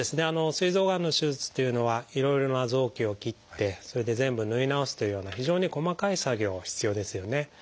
すい臓がんの手術というのはいろいろな臓器を切ってそれで全部縫い直すというような非常に細かい作業必要ですよね。